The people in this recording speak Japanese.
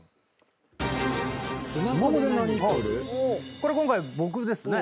これ今回僕ですね。